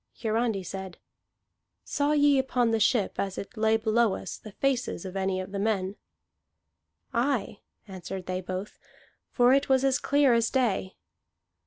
Hiarandi said: "Saw ye upon the ship, as it lay below us, the faces of any of the men?" "Aye," answered they both, "for it was as clear as day."